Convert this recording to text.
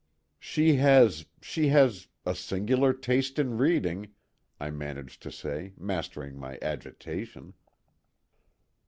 "She had—she has—a singular taste in reading," I managed to say, mastering my agitation.